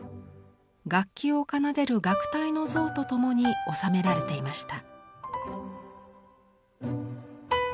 楽器を奏でる楽隊の像と共に納められていました。